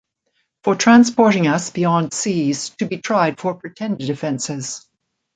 For transporting us beyond Seas to be tried for pretended offences